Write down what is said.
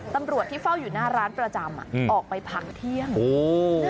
ตำรวจที่เฝ้าอยู่หน้าร้านประจำอ่ะออกไปพังเที่ยงโอ้